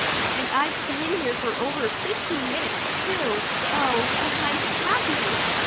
And I've been here for over fifteen minutes, too. Oh, but I'm happy